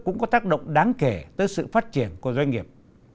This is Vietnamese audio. cũng có tác động đáng kể tới sự phát triển của doanh nghiệp